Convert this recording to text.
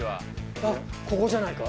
あっここじゃないか？